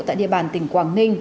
tại địa bàn tỉnh quảng ninh